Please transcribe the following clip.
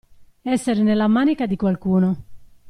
Essere nella manica di qualcuno.